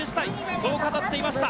そう語っていました。